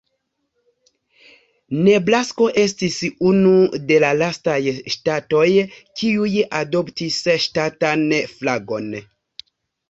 Nebrasko estis unu de la lastaj ŝtatoj, kiuj adoptis ŝtatan flagon.